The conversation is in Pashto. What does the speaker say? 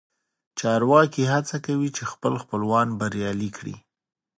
چارواکي هڅه کوي چې خپل خپلوان بریالي کړي